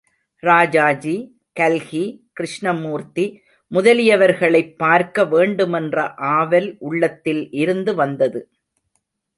ராஜாஜி, கல்கி கிருஷ்ணமூர்த்தி முதலியவர்களைப் பார்க்க வேண்டுமென்ற ஆவல் உள்ளத்தில் இருந்து வந்தது.